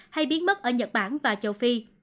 hay biến mất ở nhật bản và châu phi